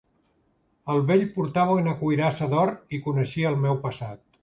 El vell portava una cuirassa d'or, i coneixia el meu passat.